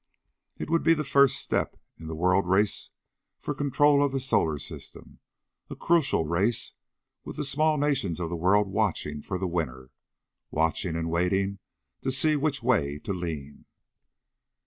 It would be the first step in the world race for control of the Solar System a crucial race with the small nations of the world watching for the winner. Watching and waiting to see which way to lean.